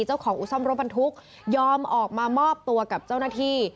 เจ้าของอุทธรรมบรรทุกยอมออกมามอบตัวกับเจ้าหน้าที่